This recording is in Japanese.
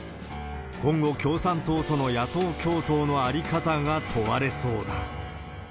今後、共産党との野党共闘の在り方が問われそうだ。